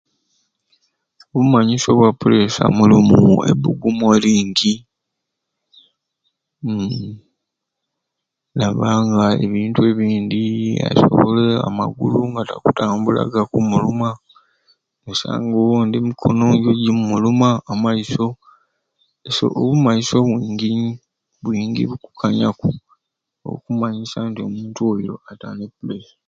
Obumanyisyo bwa puresha mulimu ebbugumu eringi, uum nabba nga ebintu ebindi amagulu takutambula gamuluma, osanga owondi mikono nga nijo gikumuluma amaiso so obumanyisyo bwingi bukukanyaku obukumanyisya nti omuntu oyo ate ne puresha.